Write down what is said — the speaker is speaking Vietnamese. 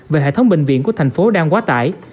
về hệ thống bệnh viện của thành phố đang quá tải